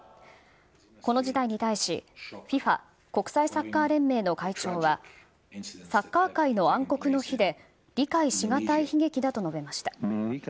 この事態に対し、ＦＩＦＡ・国際サッカー連盟の会長はサッカー界の暗黒の日で理解しがたい悲劇だと述べました。